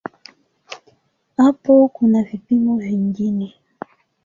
Hapo kuna vipimo vingine.